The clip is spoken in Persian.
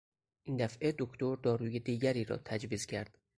این دفعه دکتر داروی دیگری را تجویز کرد.